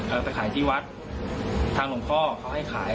ไปขายที่วัดทางหลวงพ่อเขาให้ขาย